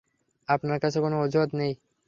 আপনার কাছে কোন অজুহাত নেই।